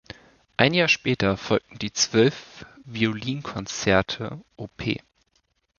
Ein Jahr später folgten die zwölf Violinkonzerte Op.